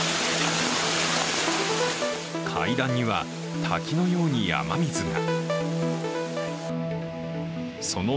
階段には滝のように雨水が。